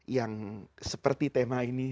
yang seperti tema ini